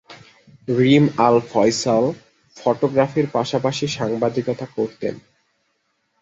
রিম Al Faisal ফটোগ্রাফির পাশাপাশি সাংবাদিকতা করতেন।